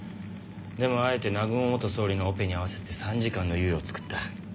でもあえて南雲元総理のオペに合わせて３時間の猶予をつくった。